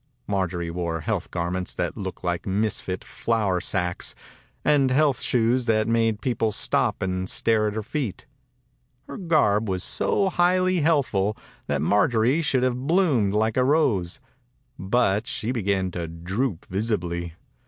Marjorie wore health garments that looked like misfit flour sacks, and health 95 THE INCUBATOR BABY shoes that made people stop and stare at her feet. Her garb was so highly healthful that Marjorie should have bloomed like a rose, but she began to droop visibly.